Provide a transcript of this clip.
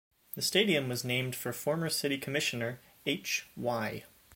The stadium was named for former city commissioner H. Y.